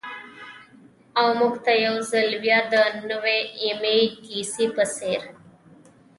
او مـوږ تـه يـو ځـل بـيا د نـوي يمـې لسـيزې پـه څـېر.